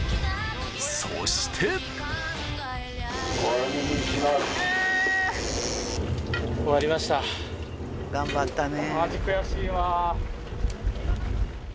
そして頑張ったね。